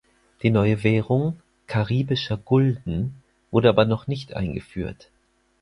Die neue Währung "Karibischer Gulden" wurde aber noch nicht eingeführt.